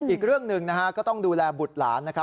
อีกเรื่องหนึ่งก็ต้องดูแลบุตรหลานนะครับ